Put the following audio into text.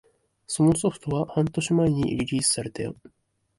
そのソフトは半年前にリリースされたよ